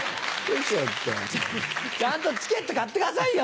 ちゃんとチケット買ってくださいよ